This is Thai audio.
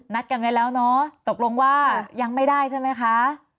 กันไว้แล้วเนาะตกลงว่ายังไม่ได้ใช่ไหมคะ